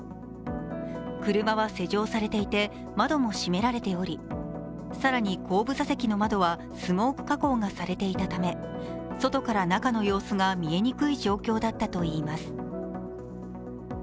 車は施錠されていて、窓も閉められており更に後部座席の窓はスモーク加工がされていたため外から中の様子が見えにくい状況だったといいます。